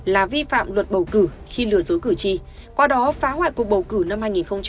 là vi phạm luật bầu cử khi lừa dối cử tri qua đó phá hoại cuộc bầu cử năm hai nghìn một mươi sáu